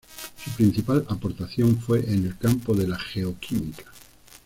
Su principal aportación fue en el campo de la geoquímica.